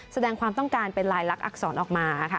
แสดงความต้องการเป็นลายลักษณอักษรออกมาค่ะ